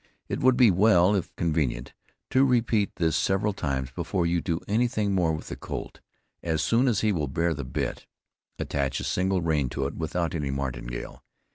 It would be well, if convenient, to repeat this several times before you do anything more with the colt; as soon as he will bear the bit, attach a single rein to it, without any martingale.